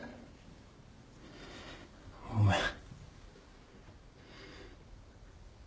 ごめん。